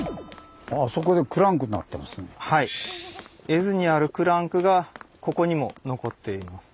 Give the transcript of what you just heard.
絵図にあるクランクがここにも残っています。